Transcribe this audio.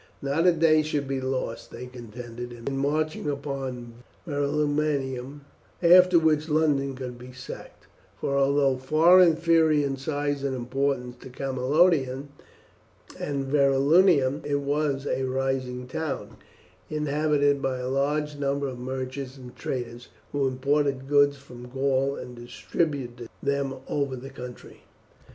Not a day should be lost, they contended, in marching upon Verulamium, after which London could be sacked, for, although far inferior in size and importance to Camalodunum and Verulamium, it was a rising town, inhabited by large numbers of merchants and traders, who imported goods from Gaul and distributed them over the country.